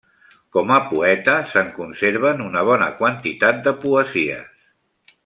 Com a poeta, se'n conserven una bona quantitat de poesies.